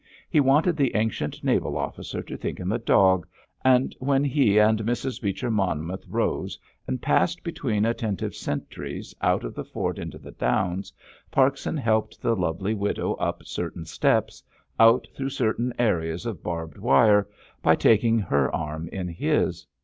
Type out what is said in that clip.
He wanted the ancient naval officer to think him a dog, and when he and Mrs. Beecher Monmouth rose and passed between attentive sentries out of the fort into the downs, Parkson helped the lovely widow up certain steps, out through certain areas of barbed wire, by taking her arm in his.